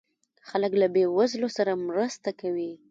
خلک له بې وزلو سره مرسته کوي.